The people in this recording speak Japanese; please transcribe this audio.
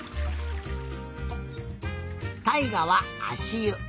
たいがはあしゆ。